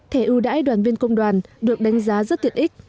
thẻ ưu đãi đoàn viên công đoàn được đánh giá rất tiện ích